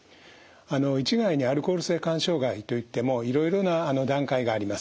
あの一概にアルコール性肝障害と言ってもいろいろな段階があります。